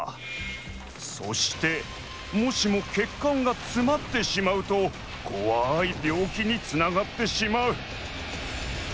そしてもしもけっかんがつまってしまうとこわいびょうきにつながってしまう。